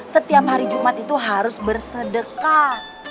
setiap hari jumat itu harus bersedekah